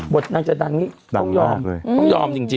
บทน่าจะดังนี่ต้องยอม